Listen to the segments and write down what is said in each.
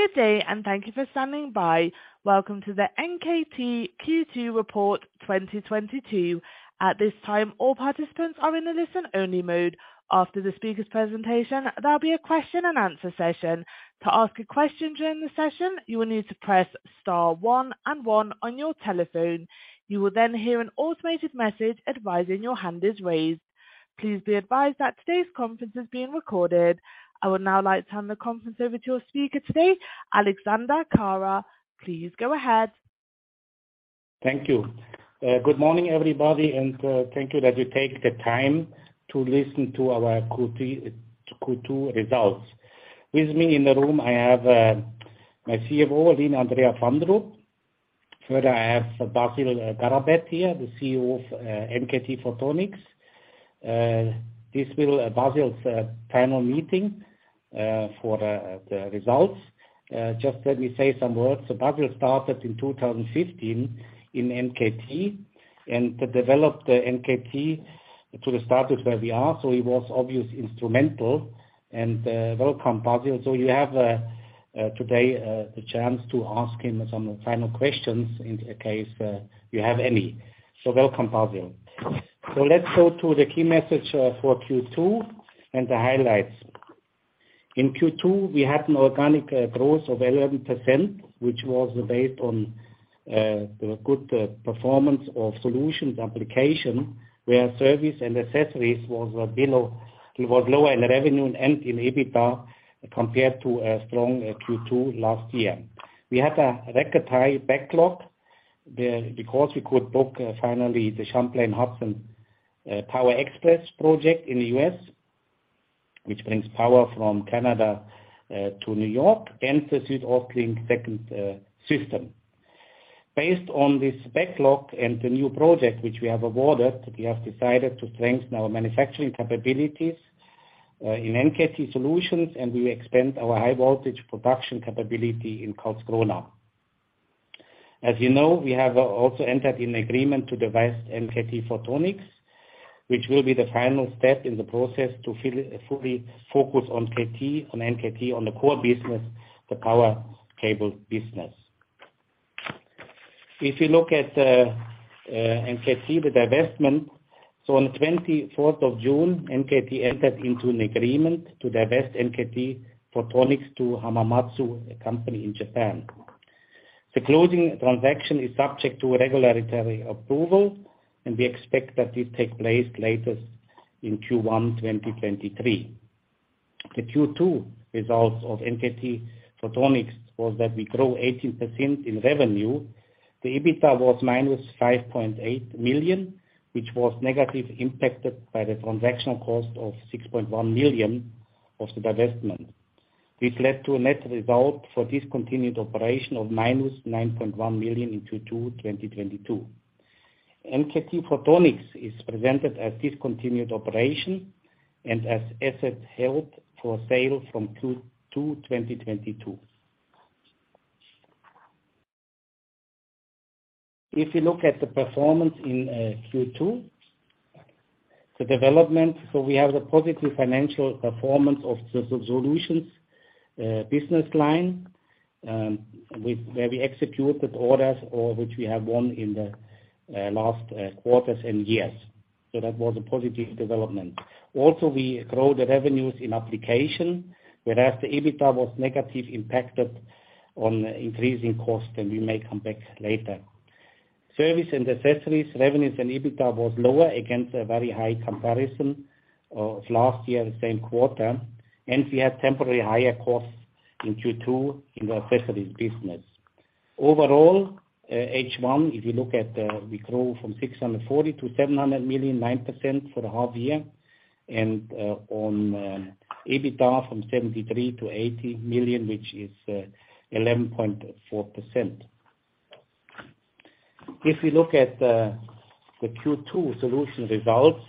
Good day and thank you for standing by. Welcome to the NKT Q2 Report 2022. At this time, all participants are in a listen-only mode. After the speaker's presentation, there'll be a question and answer session. To ask a question during the session, you will need to press star one and one on your telephone. You will then hear an automated message advising that your hand is raised. Please be advised that today's conference is being recorded. I would now like to turn the conference over to your speaker today, Alexander Kara. Please go ahead. Thank you. Good morning, everybody, and thank you that you take the time to listen to our Q2 results. With me in the room, I have my CFO, Line Andrea Fandrup. Further, I have Basil Garabet here, the CEO of NKT Photonics. This will Basil's final meeting for the results. Just let me say some words. Basil started in 2015 in NKT and developed NKT to the status where we are. He was obviously instrumental and welcome, Basil. You have today the chance to ask him some final questions in case you have any. Welcome, Basil. Let's go to the key message for Q2 and the highlights. In Q2, we had an organic growth of 11%, which was based on good performance of Solutions application, where service and accessories was low in revenue and in EBITDA compared to a strong Q2 last year. We had a record high backlog because we could book finally the Champlain Hudson Power Express project in the U.S., which brings power from Canada to New York and the South Auckland second system. Based on this backlog and the new project which we have awarded, we have decided to strengthen our manufacturing capabilities in NKT Solutions, and we expand our high voltage production capability in Karlskrona. As you know, we have also entered into an agreement to divest NKT Photonics, which will be the final step in the process to fully focus on NKT on the core business, the power cable business. If you look at NKT, the divestment. On 24th of June, NKT entered into an agreement to divest NKT Photonics to Hamamatsu, a company in Japan. The closing transaction is subject to regulatory approval and we expect that this take place later in Q1 2023. The Q2 results of NKT Photonics was that we grew 18% in revenue. The EBITDA was -5.8 million, which was negatively impacted by the transactional cost of 6.1 million of the divestment. This led to a net result for discontinued operation of -9.1 million in Q2 2022. NKT Photonics is presented as discontinued operation and as asset held for sale from Q2 2022. If you look at the performance in Q2, the development. We have the positive financial performance of the Solutions business line with where we executed orders or which we have won in the last quarters and years. That was a positive development. Also, we grow the revenues in application, whereas the EBITDA was negative impacted on increasing costs, and we may come back later. Service and accessories, revenues and EBITDA was lower against a very high comparison of last year, same quarter. We had temporary higher costs in Q2 in the accessories business. Overall, H1, if you look at, we grow from 640 million to 700 million, 9% for the half year and on EBITDA from 73 million to 80 million, which is 11.4%. If we look at the Q2 Solutions results,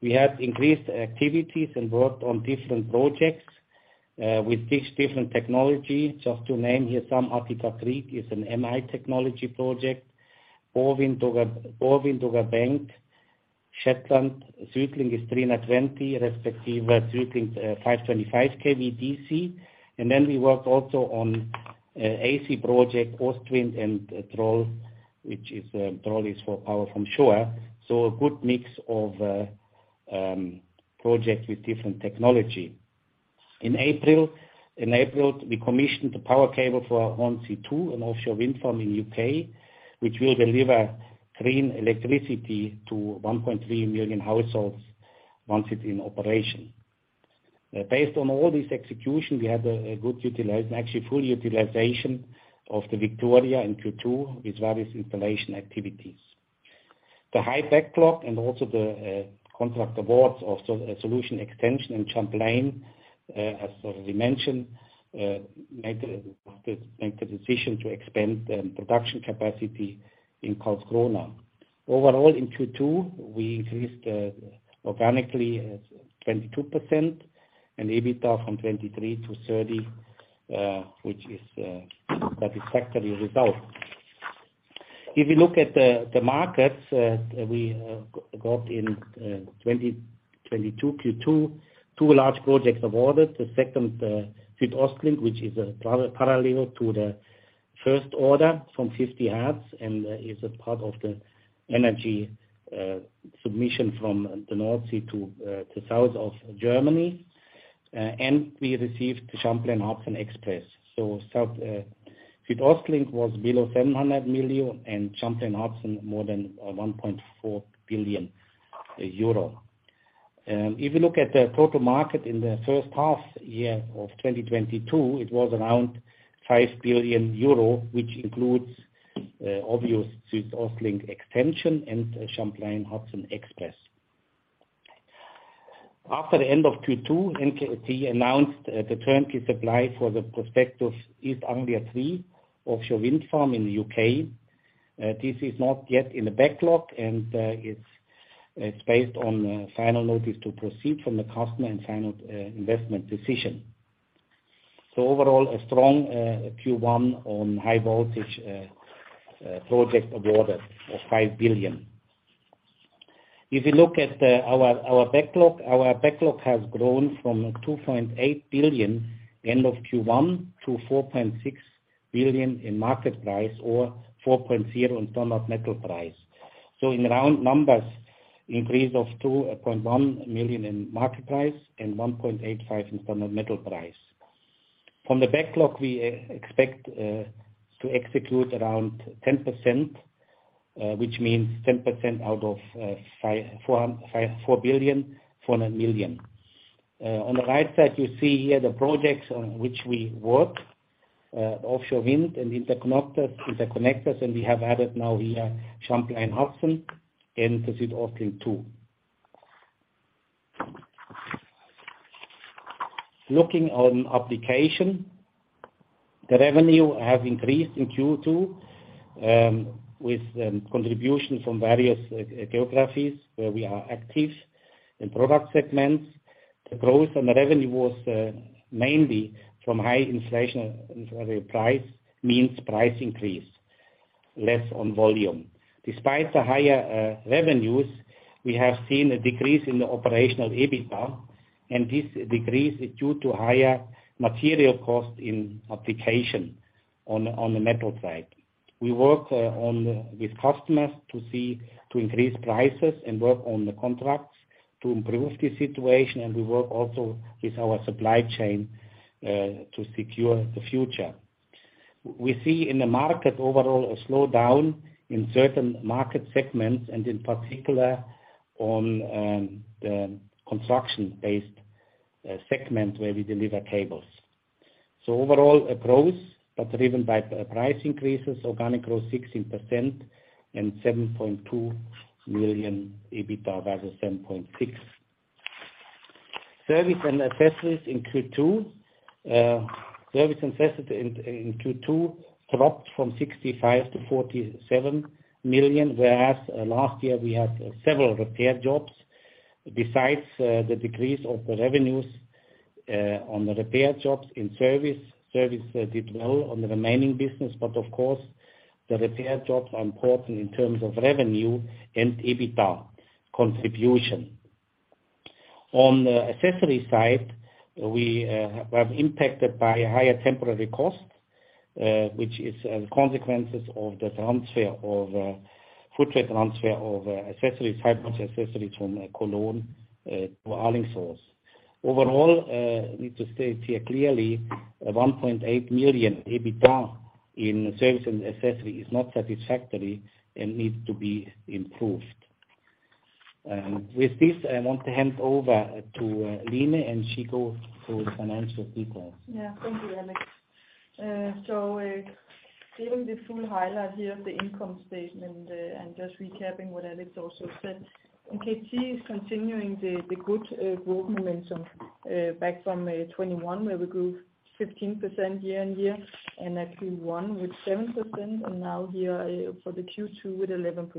we have increased activities and worked on different projects with each different technology. Just to name here some, East Anglia THREE is an MI technology project. BorWin, Dogger Bank, Shetland, SuedLink 525 kVDC. Then we worked also on AC project, Ostwind and Troll, which is Troll for power from shore. A good mix of projects with different technology. In April, we commissioned the power cable for Hornsea 2, an offshore wind farm in the U.K., which will deliver clean electricity to 1.3 million households once it's in operation. Based on all this execution, we have a good utilization, actually full utilization of the Victoria in Q2 with various installation activities. The high backlog and also the contract awards of Solutions extension in Champlain, as we mentioned, make the decision to expand the production capacity in Karlskrona. Overall, in Q2, we increased organically by 22% and EBITDA from 23 million to 30 million, which is a satisfactory result. If you look at the markets, we got in 2022 Q2 two large projects awarded. The second, SuedOstLink, which is parallel to the first order from 50Hertz and is a part of the energy transmission from the North Sea to the south of Germany. We received the Champlain Hudson Express. SuedOstLink was below 700 million and Champlain Hudson more than 1.4 billion euro. If you look at the total market in the first half year of 2022, it was around 5 billion euro, which includes the SuedOstLink extension and Champlain Hudson Express. After the end of Q2, NKT announced the turnkey supply for the project East Anglia THREE offshore wind farm in the U.K. This is not yet in the backlog, and it's based on final notice to proceed from the customer and final investment decision. Overall, a strong Q1 on high voltage project awarded of 5 billion. If you look at our backlog, our backlog has grown from 2.8 billion end of Q1 to 4.6 billion in market price or 4.0 billion in tonne of metal price. In round numbers, increase of 2.1 million in market price and 1.85 million in tonne of metal price. From the backlog we expect to execute around 10%, which means 10% out of 5.4 billion. On the right side you see here the projects on which we work, offshore wind and interconnectors, and we have added now here Champlain Hudson and SuedOstLink too. Looking on application, the revenue has increased in Q2 with contribution from various geographies where we are active. In product segments, the growth on the revenue was mainly from high inflation and primarily price, means price increase, less on volume. Despite the higher revenues, we have seen a decrease in the operational EBITDA, and this decrease is due to higher material costs in application on the metal side. We work with customers to increase prices and work on the contracts to improve the situation, and we work also with our supply chain to secure the future. We see in the market overall a slowdown in certain market segments and in particular on the construction-based segment where we deliver cables. Overall a growth, but driven by price increases, organic growth 16% and 7.2 million EBITDA versus 7.6 million. Service and accessories in Q2 dropped from 65 million to 47 million, whereas last year we had several repair jobs. Besides the decrease of the revenues on the repair jobs in service did well on the remaining business. Of course, the repair jobs are important in terms of revenue and EBITDA contribution. On the accessories side, we are impacted by higher temporary costs, which are consequences of the footprint transfer of high-margin accessories from Cologne to Alingsås. Overall need to state here clearly, 1.8 million EBITDA in service and accessory is not satisfactory and needs to be improved. With this, I want to hand over to Line and she goes through the financial details. Thank you, Alex. Giving the full highlight here of the income statement and just recapping what Alex also said. NKT is continuing the good growth momentum back from 2021, where we grew 15% year-over-year and actually won with 7% and now here for the Q2 with 11%.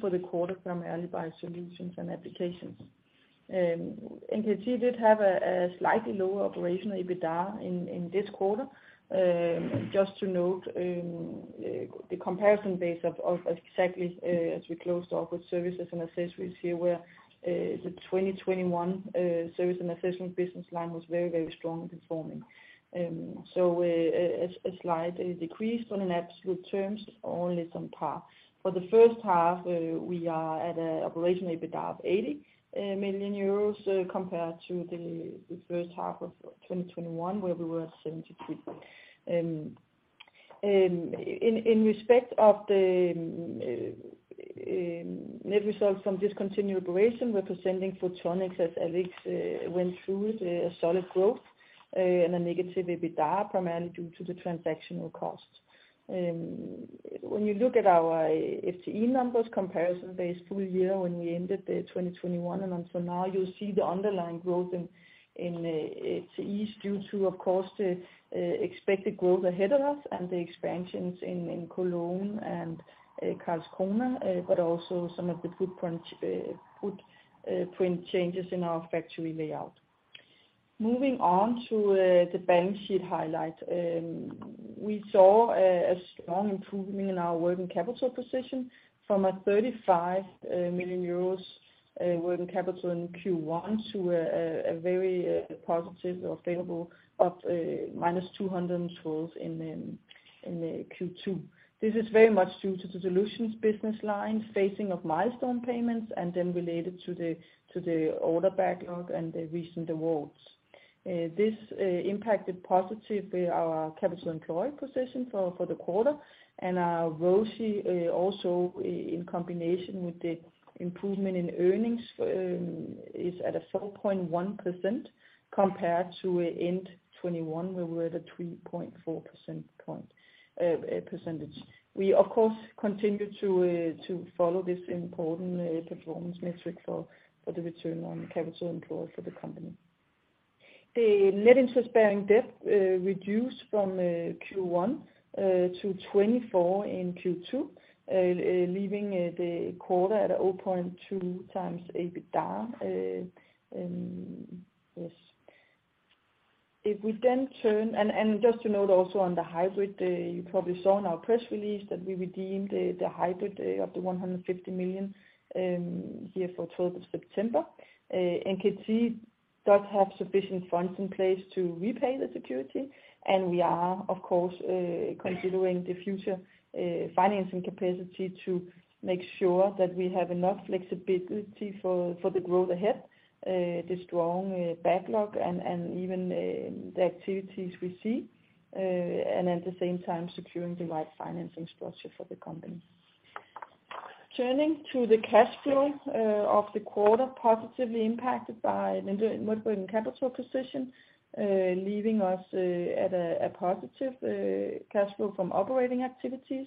For the quarter primarily by Solutions and Applications. NKT did have a slightly lower operational EBITDA in this quarter. Just to note the comparison base of exactly as we closed off with services and accessories here, where the 2021 service and accessories business line was very strong performing. A slight decrease in absolute terms, only somewhat. For the first half, we are at an operating EBITDA of 80 million euros, compared to the first half of 2021, where we were at 73 million. In respect of the result from discontinued operations, we're presenting Photonics as Alex went through with a solid growth and a negative EBITDA primarily due to the transaction costs. When you look at our FTE numbers comparison base full year when we ended the 2021 and until now, you'll see the underlying growth in FTEs due to of course the expected growth ahead of us and the expansions in Cologne and Karlskrona, but also some of the footprint changes in our factory layout. Moving on to the balance sheet highlight. We saw a strong improvement in our working capital position from 35 million euros working capital in Q1 to a very positive availability of EUR -200 million in Q2. This is very much due to the Solutions business line, phasing of milestone payments and then related to the order backlog and the recent awards. This positively impacted our capital employed position for the quarter and our ROCE also in combination with the improvement in earnings is at 4.1% compared to end 2021, we were at 3.4%. We of course continue to follow this important performance metric for the return on capital employed for the company. The net interest-bearing debt reduced from Q1 to 2.4 in Q2, leaving the quarter at 0.2x EBITDA. Yes. Just to note also on the hybrid, you probably saw in our press release that we redeemed the hybrid of 150 million on 12th September. NKT does have sufficient funds in place to repay the security, and we are, of course, considering the future financing capacity to make sure that we have enough flexibility for the growth ahead, the strong backlog and even the activities we see, and at the same time securing the right financing structure for the company. Turning to the cash flow of the quarter, positively impacted by the working capital position, leaving us at a positive cash flow from operating activities.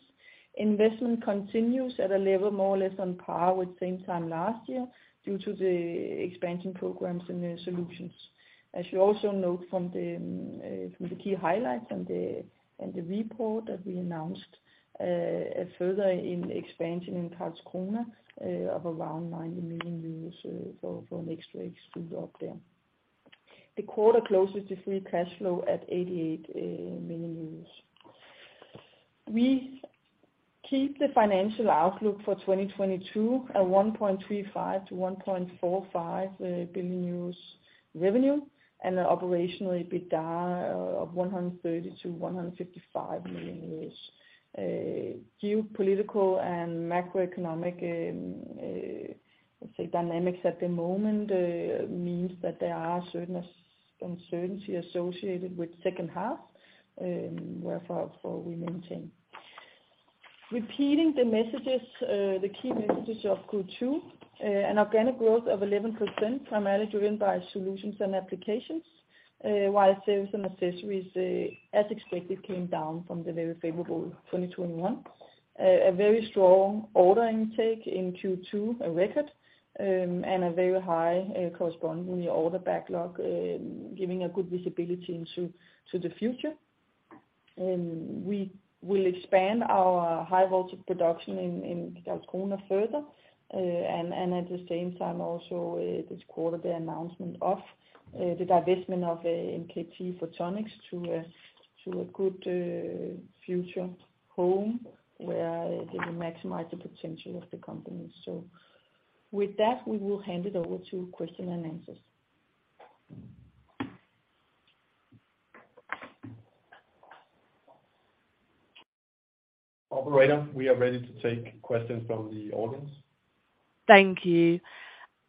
Investment continues at a level more or less on par with same time last year due to the expansion programs and the Solutions. As you also note from the key highlights and the report that we announced, a further expansion in Karlskrona of around 90 million euros for next phase to go up there. The quarter closes the free cash flow at 88 million euros. We keep the financial outlook for 2022 at 1.35 billion-1.45 billion euros revenue and an operational EBITDA of 130 million-155 million euros. Geopolitical and macroeconomic dynamics at the moment means that there are certain uncertainties associated with second half. Therefore we maintain. Reiterating the key messages of Q2, an organic growth of 11% primarily driven by Solutions and applications, while sales and accessories, as expected, came down from the very favorable 2021. A very strong order intake in Q2, a record, and a very high corresponding order backlog, giving a good visibility into the future. We will expand our high-voltage production in Karlskrona further, and at the same time also this quarter the announcement of the divestment of NKT Photonics to a good future home where they will maximize the potential of the company. With that, we will hand it over to question and answers. Operator, we are ready to take questions from the audience. Thank you.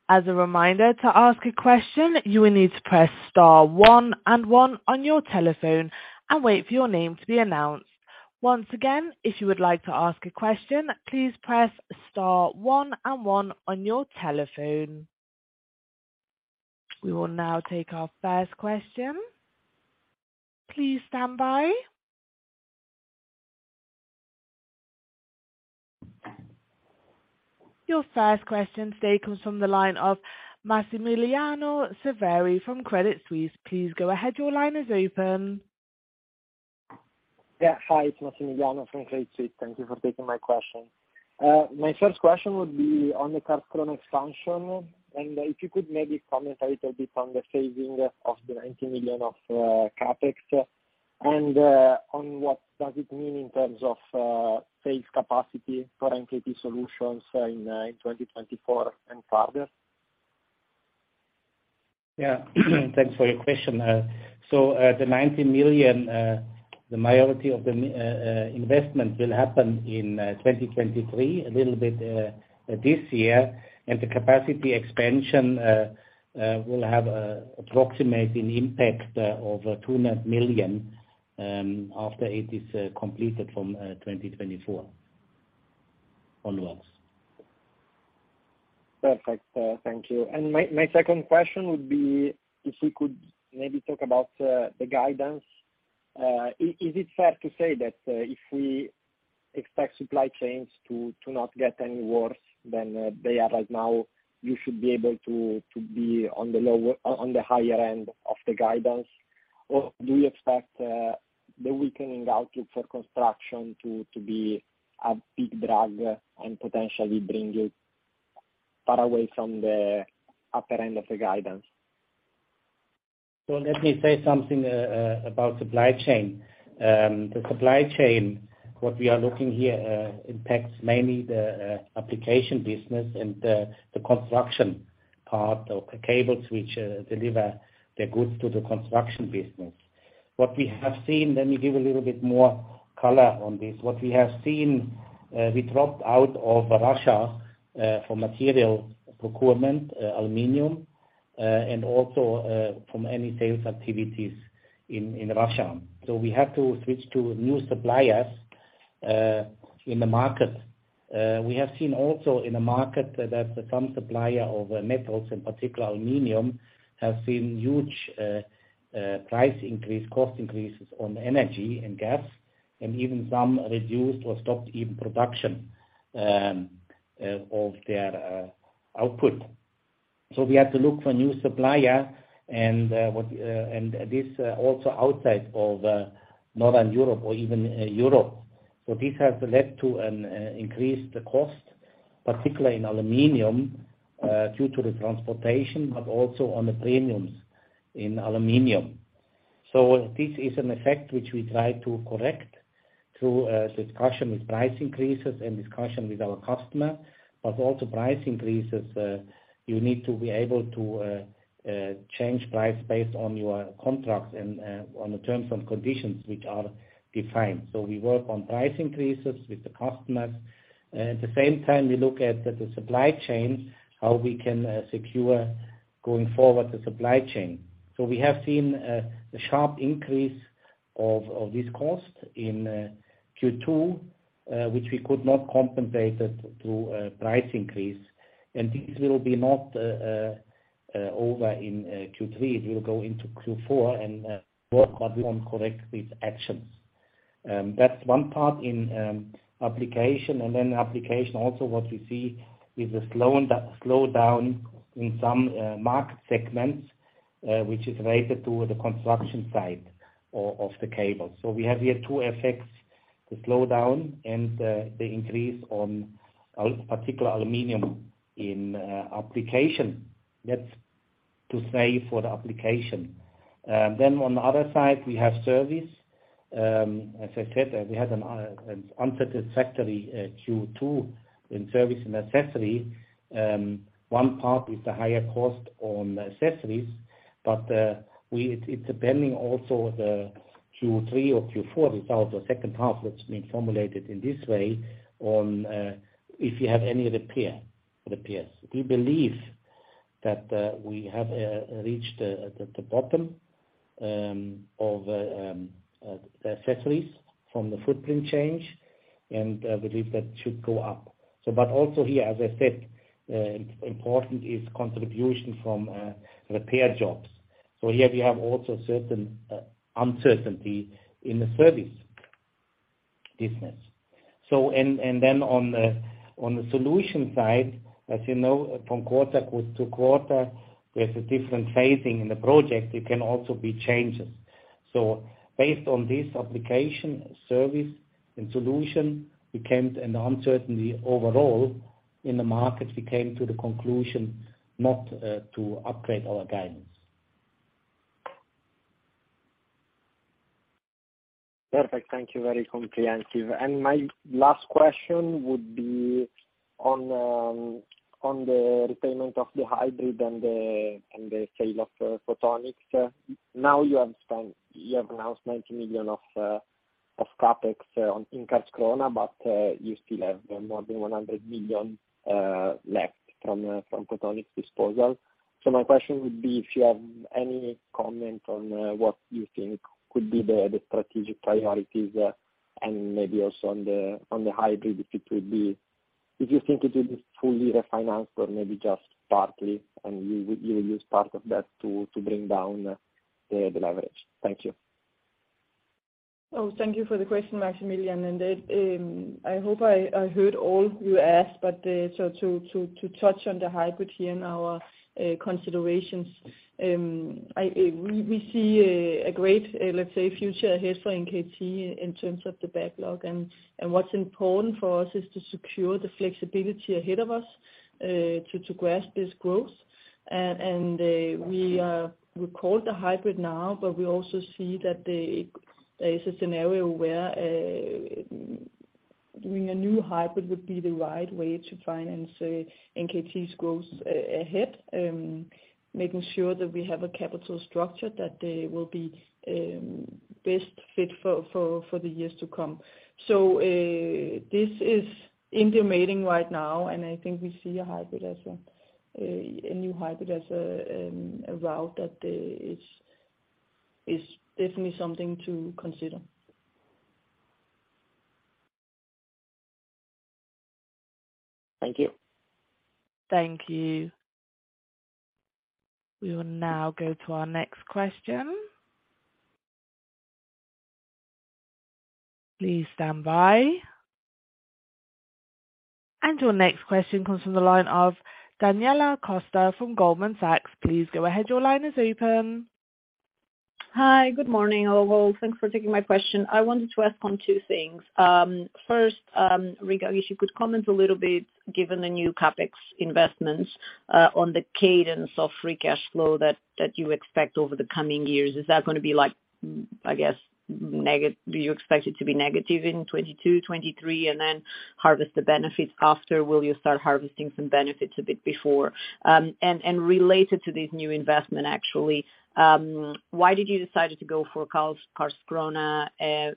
As a reminder to ask a question, you will need to press star one and one on your telephone and wait for your name to be announced. Once again, if you would like to ask a question, please press star one and one on your telephone. We will now take our first question. Please stand by. Your first question today comes from the line of Massimiliano Severi from Credit Suisse. Please go ahead. Your line is open. Yeah. Hi, it's Massimiliano from Credit Suisse. Thank you for taking my question. My first question would be on the Karlskrona expansion, and if you could maybe comment a little bit on the phasing of the 90 million of CapEx and on what does it mean in terms of space capacity for NKT Solutions in 2024 and further? Yeah. Thanks for your question. The 90 million, the majority of the investment will happen in 2023, a little bit this year. The capacity expansion will have approximate impact of 2 net million after it is completed from 2024 onwards. Perfect. Thank you. My second question would be if you could maybe talk about the guidance. Is it fair to say that if we expect supply chains to not get any worse than they are as of now you should be able to be on the higher end of the guidance? Or do you expect the weakening outlook for construction to be a big drag and potentially bring it far away from the upper end of the guidance. Let me say something about supply chain. The supply chain, what we are looking here, impacts mainly the application business and the construction part of the cables which deliver the goods to the construction business. What we have seen. Let me give a little bit more color on this. What we have seen, we dropped out of Russia for material procurement, aluminum, and also from any sales activities in Russia. We have to switch to new suppliers in the market. We have seen also in the market that some supplier of metals, in particular aluminum, have seen huge price increase, cost increases on energy and gas, and even some reduced or stopped even production of their output. We have to look for a new supplier and this also outside of Northern Europe or even Europe. This has led to an increased cost, particularly in aluminum, due to the transportation, but also on the premiums in aluminum. This is an effect which we try to correct through discussion with price increases and discussion with our customer. Also price increases you need to be able to change price based on your contracts and on the terms and conditions which are defined. We work on price increases with the customers. At the same time, we look at the supply chain, how we can secure going forward the supply chain. We have seen a sharp increase of this cost in Q2, which we could not compensate it through a price increase. This will be not over in Q3. It will go into Q4 and work on correct these actions. That's one part in Solutions. Solutions also what we see is a slowdown in some market segments, which is related to the construction side of the cable. We have here two effects, the slowdown and the increase of aluminum in particular in Solutions. That's to say for the Solutions. On the other side, we have Service. As I said, we had an unsatisfactory Q2 in Service and Accessories. One part is the higher cost on accessories, but it's depending also on the Q3 or Q4 results or second half that's been formulated in this way on if you have any repair or repairs. We believe that we have reached the bottom of the accessories from the footprint change, and believe that should go up. Also here, as I said, important is contribution from repair jobs. Here we have also certain uncertainty in the service business. Then on the Solutions side, as you know, from quarter to quarter, there's a different phasing in the project. It can also be changes. Based on this application, service and Solutions, we came to an uncertainty overall in the market. We came to the conclusion not to upgrade our guidance. Perfect. Thank you. Very comprehensive. My last question would be on the repayment of the hybrid and the sale of Photonics. Now you have announced 90 million of CapEx in cash krona, but you still have more than 100 million left from Photonics disposal. My question would be if you have any comment on what you think could be the strategic priorities, and maybe also on the hybrid, if you think it will be fully refinanced or maybe just partly, and you'll use part of that to bring down the leverage. Thank you. Oh, thank you for the question, Maximilian. I hope I heard all you asked, but to touch on the hybrid here and our considerations, we see a great, let's say, future here for NKT in terms of the backlog. We called the hybrid now, but we also see that there is a scenario where doing a new hybrid would be the right way to finance NKT's growth ahead, making sure that we have a capital structure that will be best fit for the years to come. This is in the meeting right now, and I think we see a hybrid as a new hybrid as a route that is definitely something to consider. Thank you. Thank you. We will now go to our next question. Please stand by. Your next question comes from the line of Daniela Costa from Goldman Sachs. Please go ahead. Your line is open. Hi, good morning, all. Thanks for taking my question. I wanted to ask on two things. First, Rikke, I guess you could comment a little bit, given the new CapEx investments, on the cadence of free cash flow that you expect over the coming years. Is that gonna be like, I guess, negative? Do you expect it to be negative in 2022, 2023, and then harvest the benefits after? Will you start harvesting some benefits a bit before? And related to this new investment actually, why did you decided to go for Karlskrona,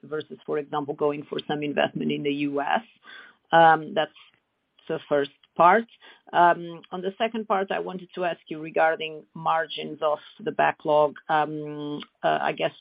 versus, for example, going for some investment in the U.S.? That's the first part. On the second part, I wanted to ask you regarding margins of the backlog. I guess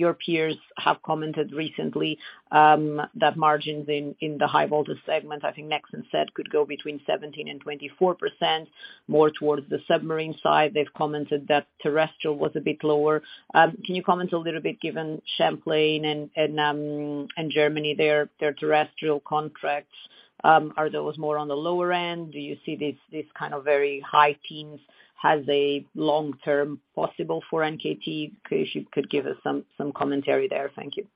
your peers have commented recently that margins in the high voltage segment, I think Nexans said could go between 17%-24%, more towards the submarine side. They've commented that terrestrial was a bit lower. Can you comment a little bit given Champlain and Germany, their terrestrial contracts, are those more on the lower end? Do you see this kind of very high teens as a long-term possible for NKT? If you could give us some commentary there. Thank you.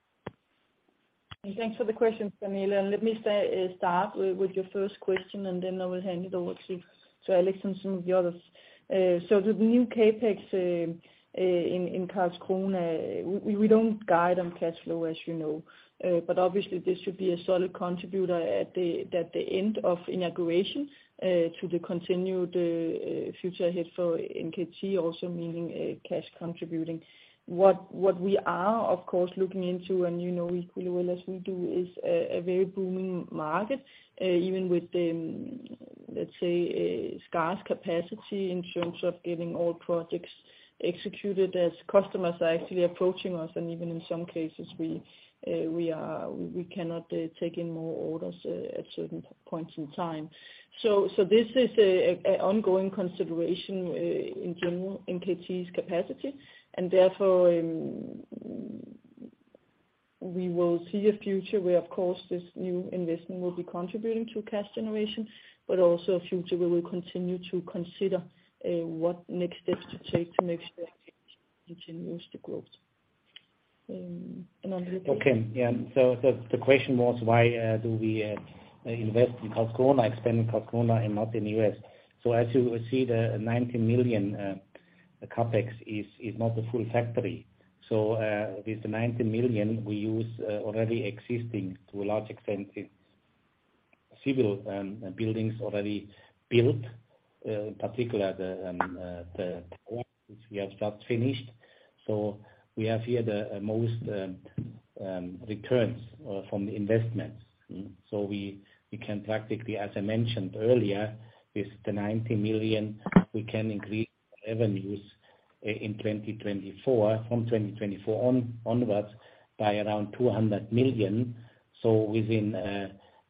Thanks for the question, Daniela, and let me start with your first question, and then I will hand it over to Alex and some of the others. The new CapEx in Karlskrona, we don't guide on cash flow, as you know. Obviously this should be a solid contributor at the end of integration to the continued future ahead for NKT also meaning a cash contributing. What we are, of course, looking into, and you know equally well as we do, is a very booming market, even with the, let's say, scarce capacity in terms of getting all projects executed as customers are actually approaching us, and even in some cases we cannot take in more orders at certain points in time. This is an ongoing consideration in general, NKT's capacity. Therefore we will see a future where, of course, this new investment will be contributing to cash generation, but also a future where we'll continue to consider what next steps to take to make sure NKT continues to grow. On to you, Alex. The question was why do we invest in Karlskrona, expand in Karlskrona and not in the U.S. As you will see, 90 million, the CapEx is not a full factory. With the 90 million we use already existing to a large extent, it's civil buildings already built, in particular the port which we have just finished. We have here the most returns from the investments. We can practically, as I mentioned earlier, with the 90 million, we can increase revenues in 2024, from 2024 onwards by around 200 million. Within,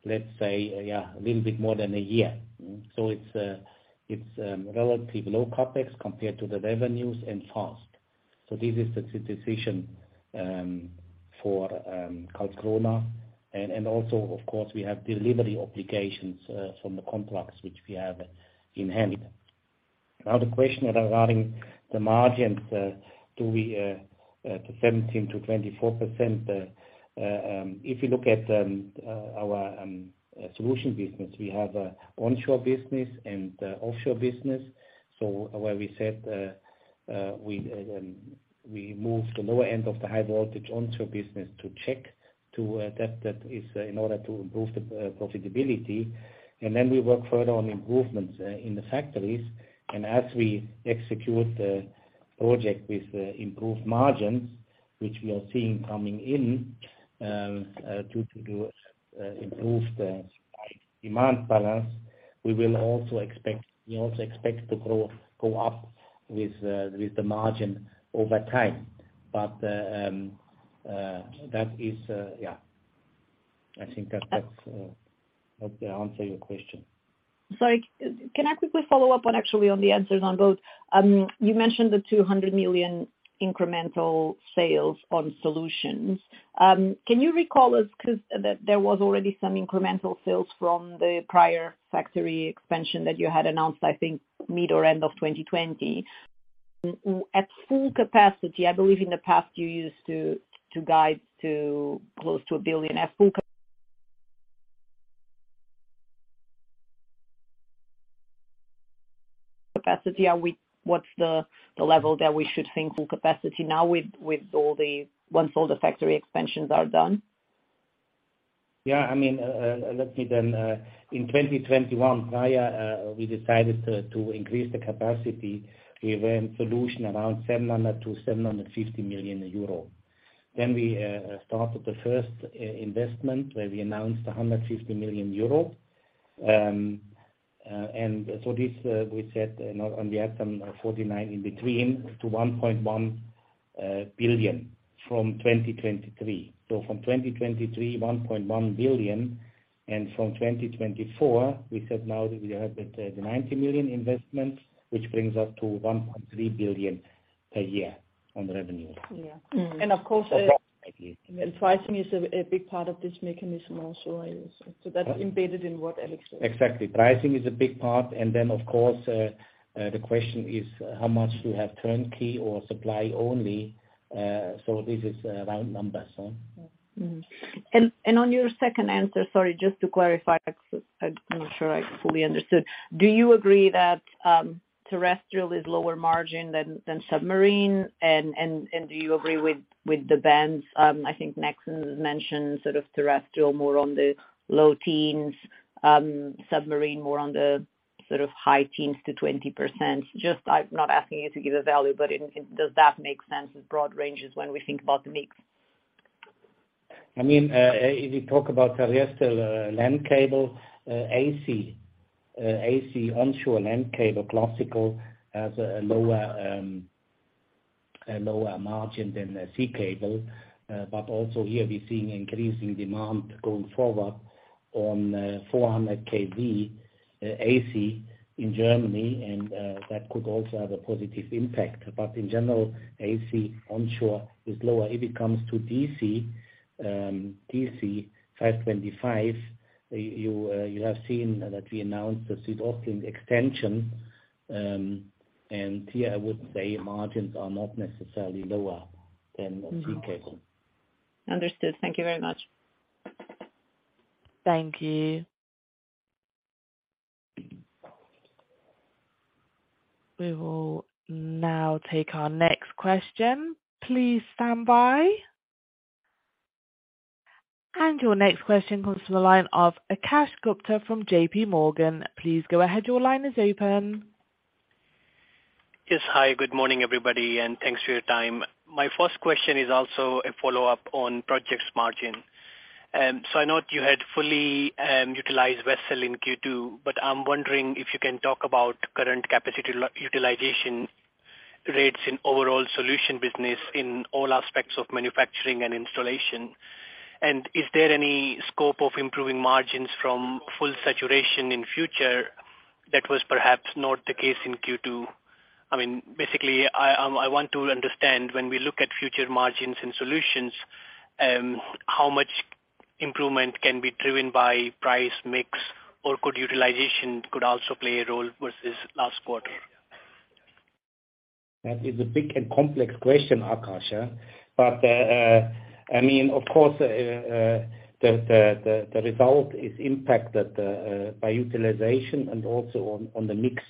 let's say, a little bit more than a year. It's relatively low CapEx compared to the revenues and fast. This is the decision for Karlskrona. Also, of course, we have delivery obligations from the complex which we have in hand. Now, the question regarding the margins, the 17%-24%, if you look at our Solutions business, we have a onshore business and a offshore business. Where we said, we moved the lower end of the high voltage onshore business to 25 to that is in order to improve the profitability. Then we work further on improvements in the factories. As we execute the project with improved margins, which we are seeing coming in, due to the improved supply demand balance, we also expect the growth go up with the margin over time. That is, yeah. I think that hopefully answer your question. Sorry. Can I quickly follow up on actually on the answers on both? You mentioned the 200 million incremental sales on Solutions. Can you recall us, 'cause there was already some incremental sales from the prior factory expansion that you had announced, I think mid or end of 2020. At full capacity, I believe in the past you used to guide to close to 1 billion. At full capacity, what's the level that we should think full capacity now with all the once all the factory expansions are done? Yeah. I mean, let me then, in 2021 prior, we decided to increase the capacity. We ran Solutions around 700 million-750 million euro. We started the first investment where we announced 150 million euro. We said on the item 49 in between to 1.1 billion from 2023. From 2023, 1.1 billion, and from 2024, we said now that we have the 90 million investment, which brings us to 1.3 billion per year on revenue. Yeah. Of course, pricing is a big part of this mechanism also. That's embedded in what Alex said. Exactly. Pricing is a big part. Of course, the question is how much you have turnkey or supply only. This is round numbers. Mm-hmm. On your second answer, sorry, just to clarify, because I'm not sure I fully understood. Do you agree that terrestrial is lower margin than submarine? Do you agree with the bands? I think Nexans has mentioned sort of terrestrial more on the low teens, submarine, more on the sort of high teens to 20%. Just, I'm not asking you to give a value, but does that make sense in broad ranges when we think about the mix? I mean, if you talk about terrestrial land cable, AC onshore land cable, classically has a lower margin than a sea cable. Also here we're seeing increasing demand going forward on 400 kV AC in Germany. That could also have a positive impact. In general, AC onshore is lower. If it comes to DC 525 Kv, you have seen that we announced the SuedOstLink extension. Here I would say margins are not necessarily lower than a sea cable. Understood. Thank you very much. Thank you. We will now take our next question. Please stand by. Your next question comes from the line of Akash Gupta from JPMorgan. Please go ahead. Your line is open. Yes. Hi, good morning, everybody, and thanks for your time. My first question is also a follow-up on projects margin. I note you had fully utilized vessel in Q2, but I'm wondering if you can talk about current capacity utilization rates in overall solution business in all aspects of manufacturing and installation. Is there any scope of improving margins from full saturation in future that was perhaps not the case in Q2? I mean, basically, I want to understand when we look at future margins and solutions, how much improvement can be driven by price mix, or could utilization also play a role versus last quarter? That is a big and complex question, Akash. I mean, of course, the result is impacted by utilization and also on the mix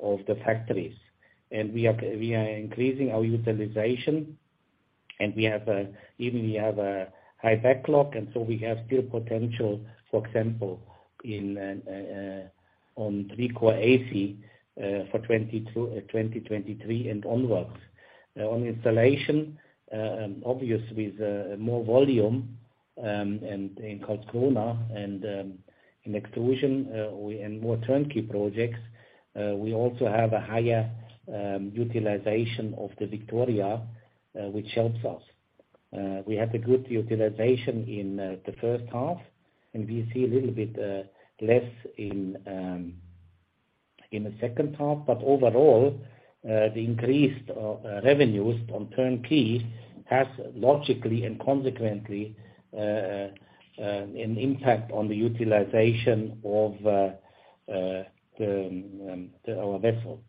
of the factories. We are increasing our utilization, and we have a high backlog, and so we have still potential, for example, on 33 kV AC, for 2022-2023 and onwards. On installation, obviously with more volume, and in Karlskrona and in extrusion, and more turnkey projects, we also have a higher utilization of the Victoria, which helps us. We had a good utilization in the first half, and we see a little bit less in the second half. Overall, the increased revenues on turnkey has logically and consequently an impact on the utilization of our vessel.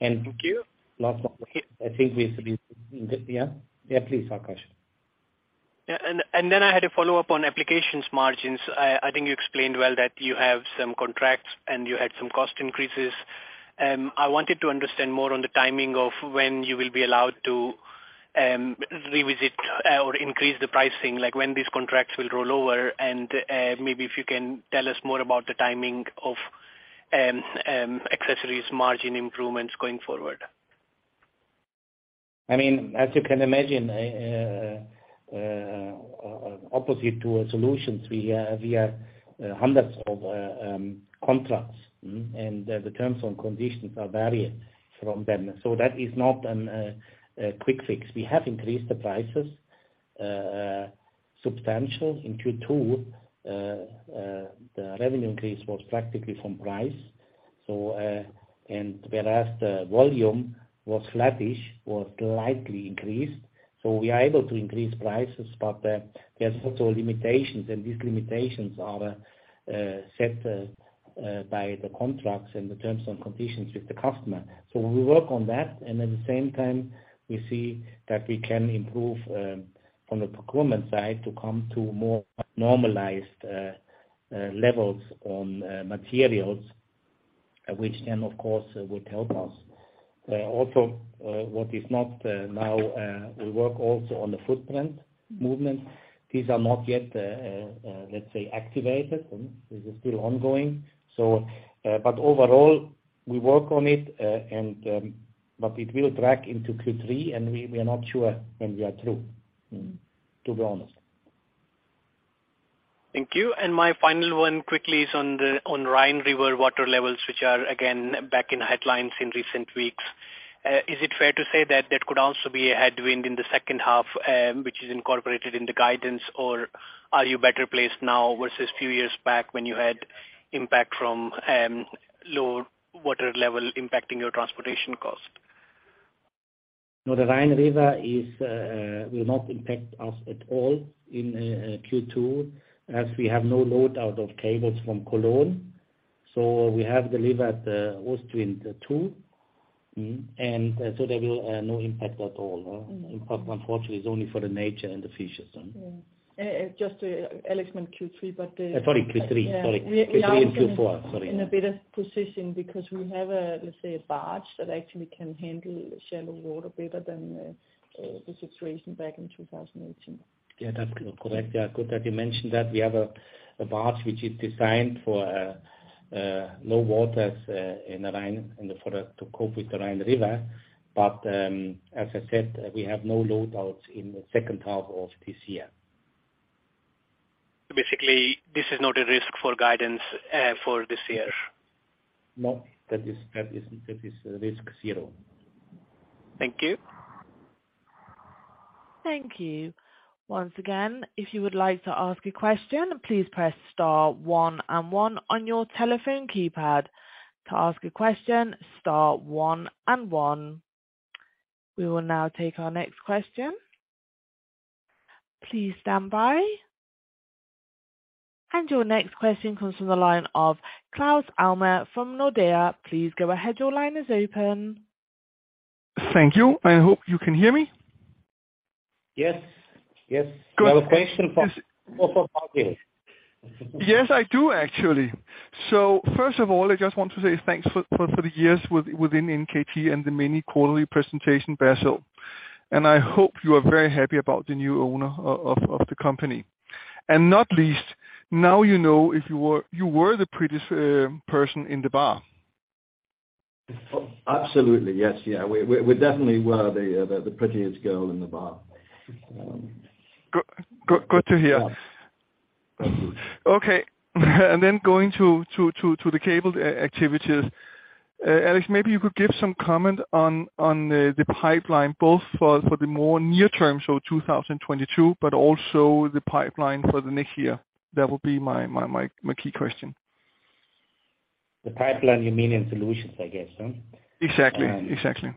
Thank you. I think we. Yeah. Yeah, please, Akash. I had a follow-up on applications margins. I think you explained well that you have some contracts and you had some cost increases. I wanted to understand more on the timing of when you will be allowed to revisit or increase the pricing, like when these contracts will roll over. Maybe if you can tell us more about the timing of accessories margin improvements going forward. I mean, as you can imagine, opposite to our Solutions, we have hundreds of contracts. The terms and conditions are varied from them. That is not a quick fix. We have increased the prices substantially in Q2. The revenue increase was practically from price. Whereas the volume was flattish or slightly increased. We are able to increase prices, but there's also limitations, and these limitations are set by the contracts and the terms and conditions with the customer. We work on that, and at the same time, we see that we can improve from the procurement side to come to more normalized levels on materials, which then of course would help us. Also, now we work also on the footprint movement. These are not yet, let's say, activated. This is still ongoing. Overall, we work on it, but it will drag into Q3, and we are not sure when we are through, to be honest. Thank you. My final one quickly is on the Rhine River water levels, which are again back in headlines in recent weeks. Is it fair to say that could also be a headwind in the second half, which is incorporated in the guidance? Or are you better placed now versus few years back when you had impact from lower water level impacting your transportation cost? No, the Rhine River will not impact us at all in Q2, as we have no load out of cables from Cologne. We have delivered Ostwind 2. There will no impact at all. Impact unfortunately is only for the nature and the fishes. Yeah. Just to Alex, in Q3, but, Sorry, Q3 and Q4. We are in a better position because we have a, let's say, a barge that actually can handle shallow water better than the situation back in 2018. Yeah, that's correct. Yeah. Good that you mentioned that. We have a barge which is designed for low waters in the Rhine and for that to cope with the Rhine River. As I said, we have no load outs in the second half of this year. Basically, this is not a risk for guidance, for this year. No. That is risk zero. Thank you. Thank you. Once again, if you would like to ask a question, please press star one and one on your telephone keypad. To ask a question, star one and one. We will now take our next question. Please stand by. Your next question comes from the line of Claes Westerlind from Nordea. Please go ahead. Your line is open. Thank you. I hope you can hear me. Yes. You have a question for me. Yes, I do, actually. First of all, I just want to say thanks for the years within NKT and the many quarterly presentation, Basil. I hope you are very happy about the new owner of the company. Not least, now you know if you were the prettiest person in the bar. Absolutely. Yes. Yeah. We definitely were the prettiest girl in the bar. Good to hear. Yes. Very good. Okay. Going to the cable activities. Alex, maybe you could give some comment on the pipeline, both for the more near term, so 2022, but also the pipeline for the next year. That would be my key question. The pipeline, you mean in Solutions, I guess, huh? Exactly. Exactly.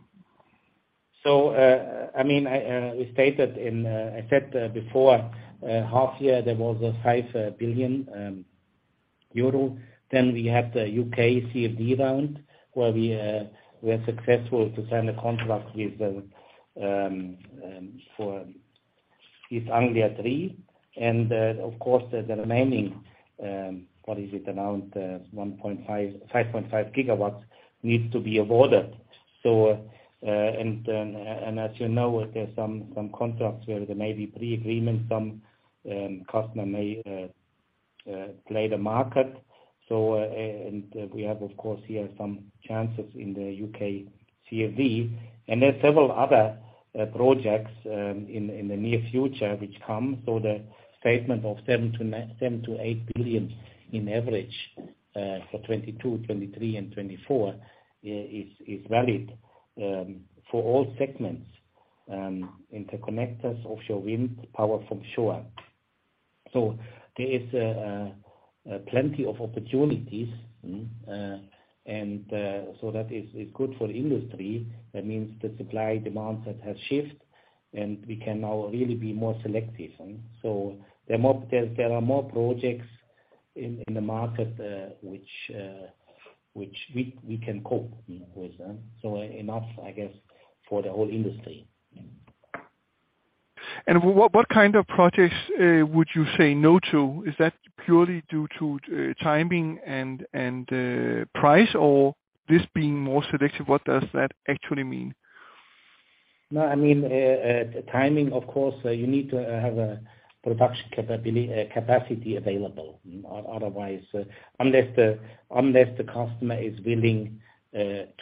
I mean, I said before, half year there was 5 billion euro. Then we have the U.K. CFD round, where we are successful to sign a contract with them for East Anglia THREE. Of course the remaining, what is it around 1.5-5.5 gigawatts needs to be awarded. And as you know, there's some contracts where there may be pre-agreement, some customer may play the market. And we have of course here some chances in the U.K. CFD, and there are several other projects in the near future which come. The statement of 7-8 billion on average for 2022, 2023 and 2024 is valid for all segments, interconnectors, offshore wind, power from shore. There is plenty of opportunities. That is good for industry. That means the supply and demand that has shifted, and we can now really be more selective. The more there are more projects in the market which we can cope with them, you know. Enough, I guess, for the whole industry. What kind of projects would you say no to? Is that purely due to timing and price? Or this being more selective, what does that actually mean? No, I mean, timing of course, you need to have a production capacity available. Otherwise, unless the customer is willing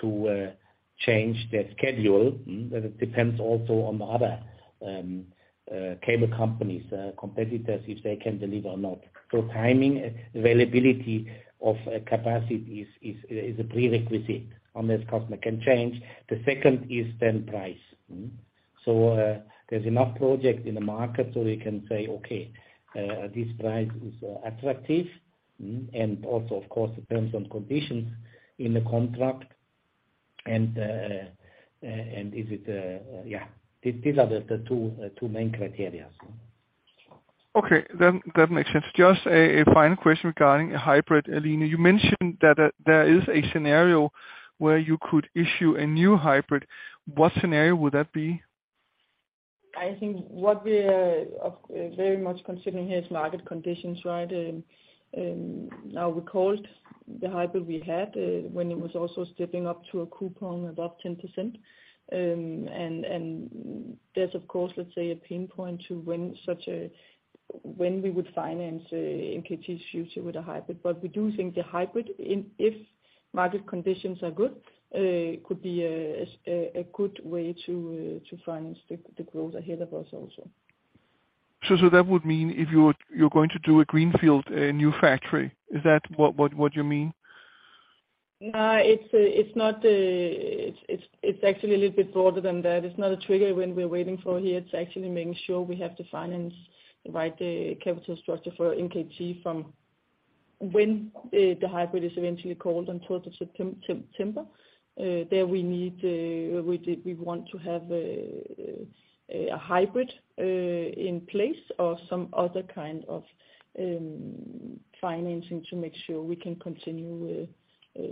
to change their schedule. It depends also on the other cable companies, competitors, if they can deliver or not. Timing, availability of capacities is a prerequisite unless customer can change. The second is then price. There's enough projects in the market so we can say, okay, this price is attractive. Also of course depends on conditions in the contract and is it, yeah, these are the two main criteria. Okay, that makes sense. Just a final question regarding a hybrid, Line. You mentioned that there is a scenario where you could issue a new hybrid. What scenario would that be? I think what we are very much considering here is market conditions, right? Now we called the hybrid we had when it was also stepping up to a coupon above 10%. There's of course, let's say a pain point to when we would finance NKT's future with a hybrid. We do think the hybrid, if market conditions are good, could be a good way to finance the growth ahead of us also. that would mean if you're going to do a greenfield, a new factory. Is that what you mean? No, it's not actually a little bit broader than that. It's not a trigger when we're waiting for FID. It's actually making sure we have the finance, the right capital structure for NKT from when the hybrid is eventually called on first of September. There we want to have a hybrid in place or some other kind of financing to make sure we can continue with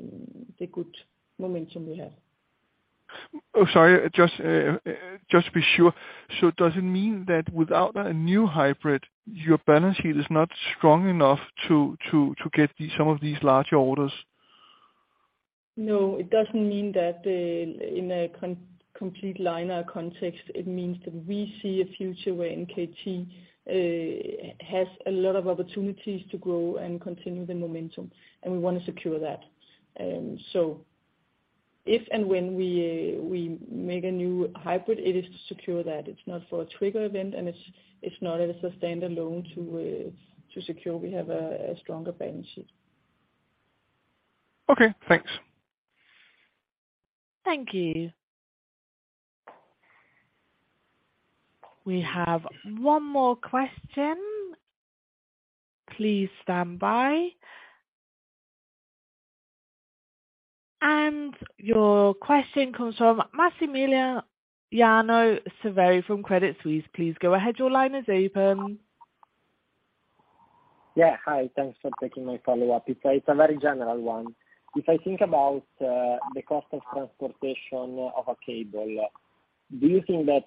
the good momentum we have. Oh, sorry. Just to be sure. Does it mean that without a new hybrid, your balance sheet is not strong enough to get these, some of these large orders? No, it doesn't mean that in a complete linear context. It means that we see a future where NKT has a lot of opportunities to grow and continue the momentum, and we wanna secure that. If and when we make a new hybrid, it is to secure that. It's not for a trigger event and it's not as a standalone to secure. We have a stronger balance sheet. Okay, thanks. Thank you. We have one more question. Please stand by. Your question comes from Massimiliano Severi from Credit Suisse. Please go ahead. Your line is open. Yeah, hi. Thanks for taking my follow-up. It's a very general one. If I think about the cost of transportation of a cable, do you think that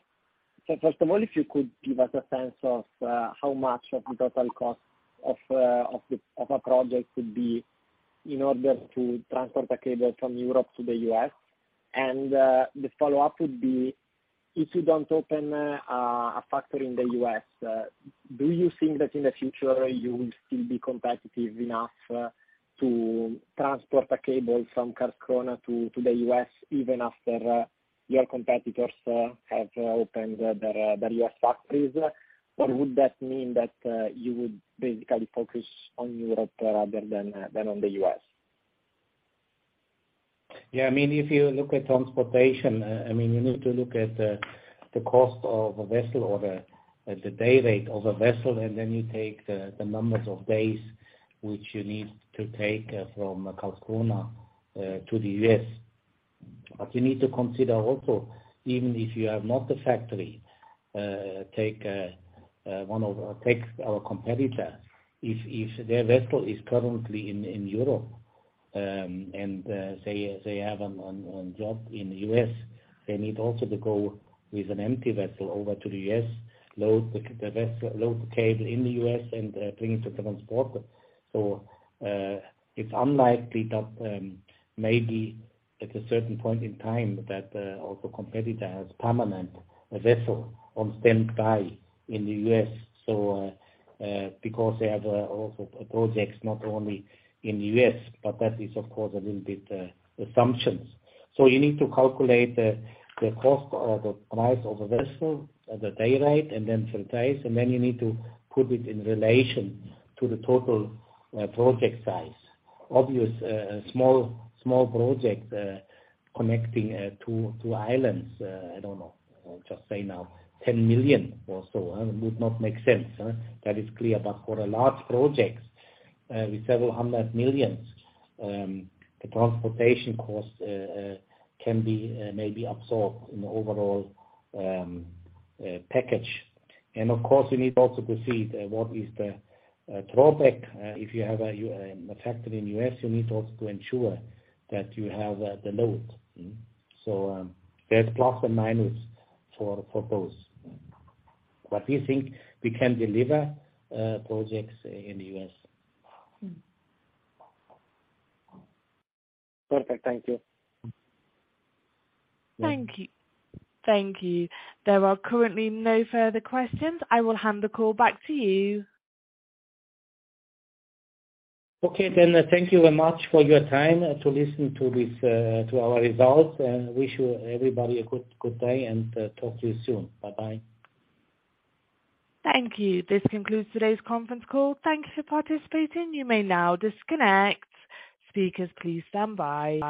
first of all, if you could give us a sense of how much of the total cost of a project would be in order to transport a cable from Europe to the U.S.. The follow-up would be if you don't open a factory in the U.S., do you think that in the future you will still be competitive enough to transport a cable from Karlskrona to the U.S. even after your competitors have opened their U.S. factories? Or would that mean that you would basically focus on Europe rather than on the U.S.? Yeah. I mean, if you look at transportation, I mean, you need to look at the cost of a vessel or the day rate of a vessel, and then you take the numbers of days which you need to take from Karlskrona to the U.S.. You need to consider also, even if you have not a factory, take our competitor. If their vessel is currently in Europe, and they have a job in the U.S., they need also to go with an empty vessel over to the U.S., load the vessel, load the cable in the U.S., and bring it to the transporter. It's unlikely that maybe at a certain point in time that a competitor has permanent vessel on standby in the U.S. so because they have also projects not only in the U.S., but that is of course a little bit assumptions. You need to calculate the cost or the price of a vessel at the day rate and then some days, and then you need to put it in relation to the total project size. Obviously small project connecting two islands, I don't know. I'll just say now 10 million or so would not make sense. That is clear. But for a large project with several hundred millions, the transportation costs can be maybe absorbed in the overall package. Of course, you need also to see what is the drawback. If you have a factory in the U.S., you need also to ensure that you have the load. There's plus and minus for both. But we think we can deliver projects in the U.S. Perfect. Thank you. Thank you. There are currently no further questions. I will hand the call back to you. Okay. Thank you very much for your time to listen to this, to our results, and wish you, everybody, a good day and talk to you soon. Bye-bye. Thank you. This concludes today's conference call. Thank you for participating. You may now disconnect. Speakers, please stand by.